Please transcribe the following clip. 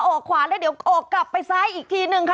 ออกขวาแล้วเดี๋ยวออกกลับไปซ้ายอีกทีนึงค่ะ